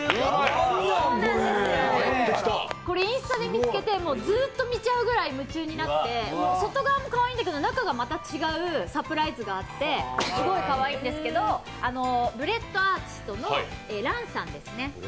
これ、インスタで見つけてずっと見ちゃうくらい夢中になって、外側もかわいいんだけど中がまた違うサプライズがあってすごいかわいいんですけどブレッドアーティストのＲａｎさんですね。